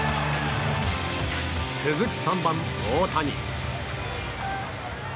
続く３番、大谷。